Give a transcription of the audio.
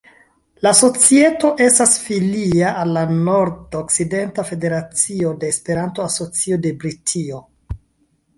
La societo estas filia al la Nord-Okcidenta Federacio de Esperanto-Asocio de Britio.